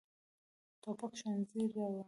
توپک ښوونځي ورانوي.